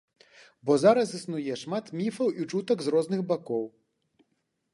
Бо зараз існуе шмат міфаў і чутак з розных бакоў.